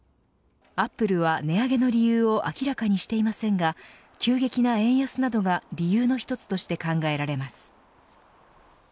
アップルは値上げの理由を明らかにしていませんが急激な円安などが理由の一つとして考えられます。